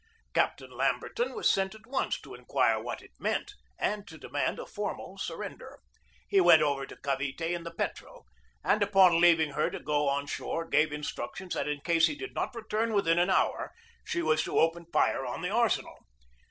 Captain Lamberton was sent at once to inquire what it meant, and to demand a formal surrender. He went over to Cavite in the Petrel, and upon leaving her to go on shore gave in structions that in case he did not return within an hour she was to open fire on the arsenal.